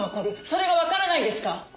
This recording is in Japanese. それがわからないんですか？